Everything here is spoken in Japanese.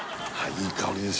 いい香りです